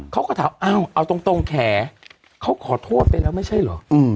เขาก็ถามอ้าวเอาตรงแขเขาขอโทษไปแล้วไม่ใช่เหรอ